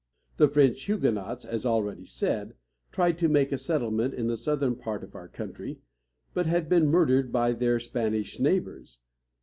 The French Huguenots, as already said, tried to make a settlement in the southern part of our country, but had been murdered by their Spanish neighbors.